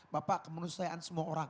bapak kemanusiaan semua orang